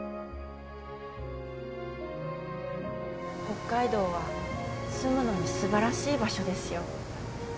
北海道は住むのに素晴らしい場所ですよ。